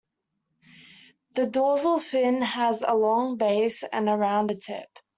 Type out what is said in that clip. The dorsal fin has a long base and a rounded tip.